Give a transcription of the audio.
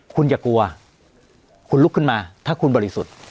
คุณอย่ากลัวคุณลุกขึ้นมาถ้าคุณบริสุทธิ์